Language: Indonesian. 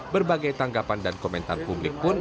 berbagai tanggapan dan komentar publik pun